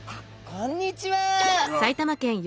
こんにちは。